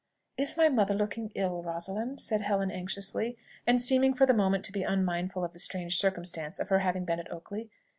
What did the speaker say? "Is my mother looking ill, Rosalind?" said Helen anxiously, and seeming for the moment to be unmindful of the strange circumstance of her having been at Oakley.